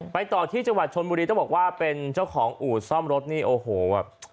ต่อที่จังหวัดชนบุรีต้องบอกว่าเป็นเจ้าของอู่ซ่อมรถนี่โอ้โหแบบ